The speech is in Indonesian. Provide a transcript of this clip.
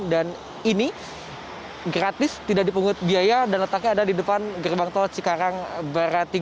dan ini gratis tidak dipungut biaya dan letaknya ada di depan gerbang tol cikarang barat tiga